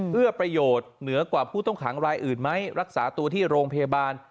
ประโยชน์เหนือกว่าผู้ต้องขังรายอื่นไหมรักษาตัวที่โรงพยาบาล